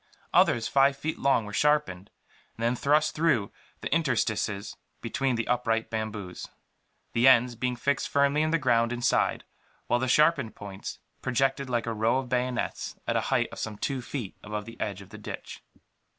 Others, five feet long, were sharpened and then thrust through the interstices between the upright bamboos; the ends being fixed firmly in the ground inside, while the sharpened points projected like a row of bayonets, at a height of some two feet above the edge of the ditch.